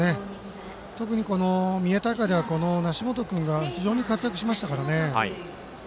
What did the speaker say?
特に三重大会では梨本君が非常に活躍しましたからね。